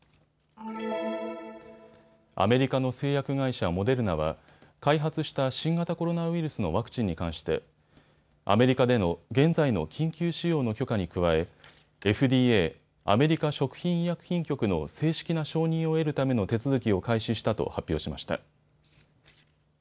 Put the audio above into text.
アメリカの製薬会社モデルナは開発した新型コロナウイルスのワクチンに関してアメリカでの現在の緊急使用の許可に加えＦＤＡ・アメリカ食品医薬品局の正式な承認を得るための手続きを開始したと発表しました。